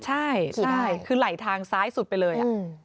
ใช่คือไหลทางซ้ายสุดไปเลย